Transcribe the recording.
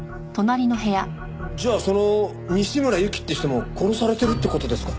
じゃあその西村由季って人も殺されてるって事ですか？